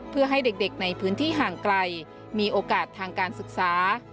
เพื่อให้เด็กในพื้นที่ห่างไกลมีโอกาสทางการศึกษา